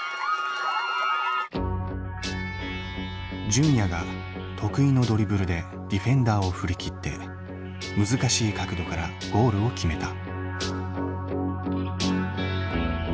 純也が得意のドリブルでディフェンダーを振り切って難しい角度からゴールを決めた。